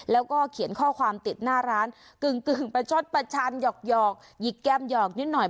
แล้วก็เขียนข้อความติดหน้าร้านกึ่งประชดประชันหยอกหยิกแก้มหยอกนิดหน่อย